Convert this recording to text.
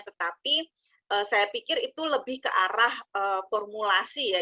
tetapi saya pikir itu lebih ke arah formulasi ya